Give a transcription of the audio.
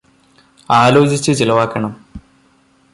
ആലോചിച്ചു ചിലവാക്കണം